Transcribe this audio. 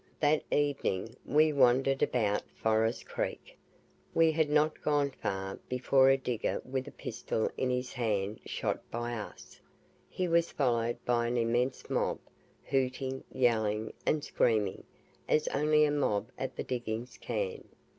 That evening we wandered about Forest Creek. We had not gone far before a digger with a pistol in his hand shot by us; he was followed by an immense mob, hooting, yelling, and screaming, as only a mob at the diggings can.